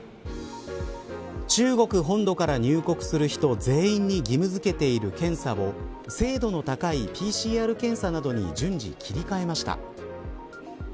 中国本土から入国する人全員に義務づけている検査を精度の高いＰＣＲ検査などに順次、切り替えました。